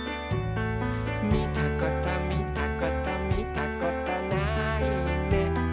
「みたことみたことみたことないね」